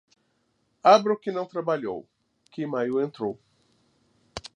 Abra o que não trabalhou, que maio entrou.